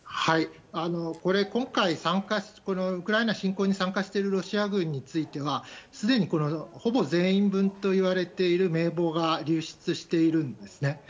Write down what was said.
今回、ウクライナ侵攻に参加しているロシア軍についてはすでにほぼ全員分といわれている名簿が流出しているんですね。